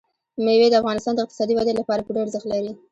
مېوې د افغانستان د اقتصادي ودې لپاره پوره ارزښت لري.